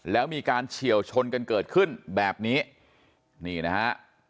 แล้วมีการเฉียวชนกันเกิดขึ้นแบบนี้นี่นะฮะ